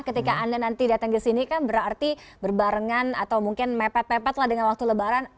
ketika anda nanti datang ke sini kan berarti berbarengan atau mungkin mepet pepet lah dengan waktu lebaran